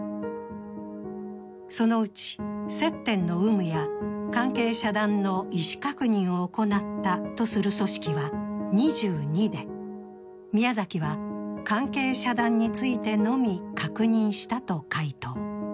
そのうち、接点の有無や関係遮断の意思確認を行ったとする組織は２２で宮崎は関係遮断についてのみ確認したと回答。